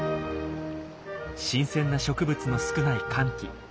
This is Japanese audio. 新鮮な植物の少ない乾季。